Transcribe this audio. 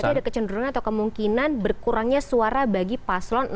berarti ada kecenderungan atau kemungkinan berkurangnya suara bagi paslon satu